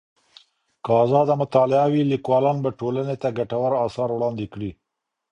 که ازاده مطالعه وي، ليکوالان به ټولني ته ګټور اثار وړاندې کړي.